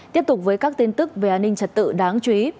tiếp tục với các tin tức về an ninh trật tự đáng chú ý